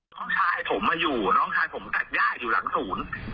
น้องชายผมมาอยู่น้องชายผมตัดย่าอยู่หลังศูนย์